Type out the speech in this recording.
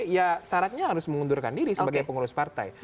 ya syaratnya harus mengundurkan diri sebagai pengurus partai